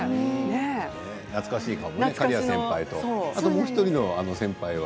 懐かしい刈谷先輩とあともう１人の先輩は。